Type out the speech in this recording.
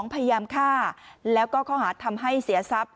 พยายามฆ่าแล้วก็ข้อหาทำให้เสียทรัพย